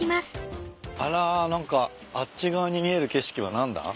あら何かあっち側に見える景色は何だ？